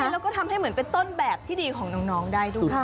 แล้วก็ทำให้เหมือนเป็นต้นแบบที่ดีของน้องได้ด้วย